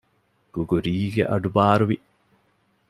ގުގުރީގެ އަޑުބާރުވި